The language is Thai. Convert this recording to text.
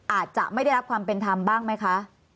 อาจจะไม่ได้รับความเป็นธรรมบ้างไหมคะ